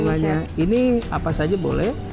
bunga bunganya ini apa saja boleh